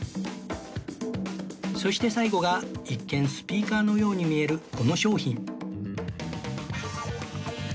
そして最後が一見スピーカーのように見えるこの商品